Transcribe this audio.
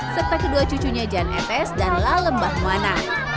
serta kedua cucunya jan etes dan lalem bahwana